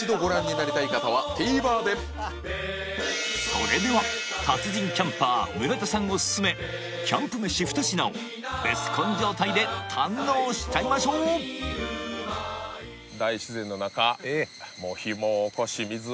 それでは達人キャンパー村田さんおすすめキャンプ飯２品をベスコン状態で堪能しちゃいましょう！いきますか！